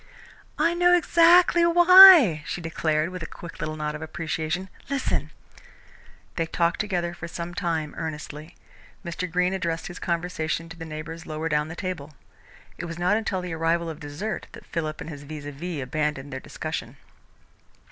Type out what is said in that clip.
"I know exactly why," she declared, with a quick little nod of appreciation. "Listen." They talked together for some time, earnestly. Mr. Greene addressed his conversation to his neighbours lower down the table. It was not until the arrival of dessert that Philip and his vis à vis abandoned their discussion.